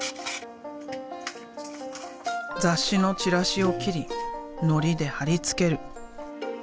雑誌のチラシを切りのりで貼り付ける。